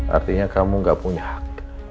artinya kamu gak punya hak